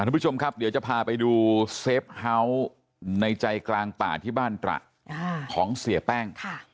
ทุกผู้ชมครับเดี๋ยวจะพาไปดูเซฟเฮาส์ในใจกลางป่าที่บ้านตระของเสียแป้ง